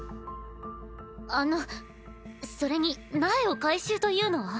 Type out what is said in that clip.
あのそれに苗を回収というのは？